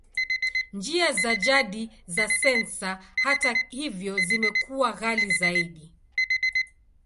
Njia za jadi za sensa, hata hivyo, zimekuwa ghali zaidi.